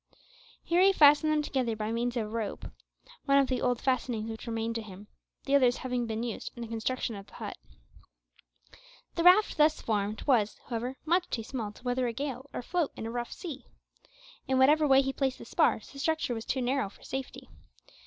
Here he fastened them together by means of a piece of rope one of the old fastenings which remained to him, the others having been used in the construction of the hut. The raft thus formed was, however, much too small to weather a gale or float in a rough sea. In whatever way he placed the spars the structure was too narrow for safety.